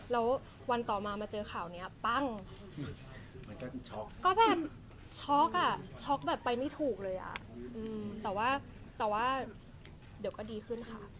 แล้ววันต่อมามาเจอข่าวนี้ปั้งช็อกก็แบบช็อกอ่ะช็อกแบบไปไม่ถูกเลยอ่ะแต่ว่าแต่ว่าเดี๋ยวก็ดีขึ้นค่ะ